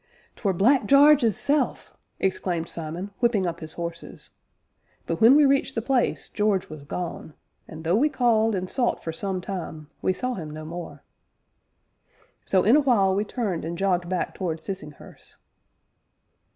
"'Twere Black Jarge 'isself!" exclaimed Simon, whipping up his horses; but when we reached the place George was gone, and though we called and sought for some time, we saw him no more. So, in a while, we turned and jogged back towards Sissinghurst.